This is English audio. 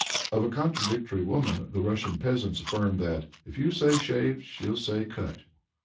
Of a contradictory woman the Russian peasants affirm that, "If you say 'shaved' she'll say 'cut.'"